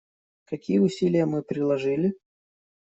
Какие усилия мы приложили?